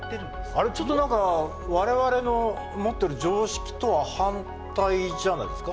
あれちょっと何か我々の持ってる常識とは反対じゃないですか？